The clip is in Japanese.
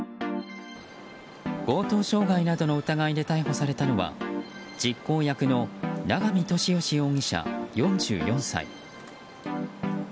強盗傷害などの疑いで逮捕されたのは実行役の永見俊義容疑者、４４歳。